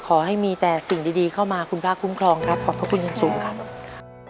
ขอให้มีแต่สิ่งดีเข้ามาคุณพระคุ้มครองครับขอบพระคุณอย่างสูงครับ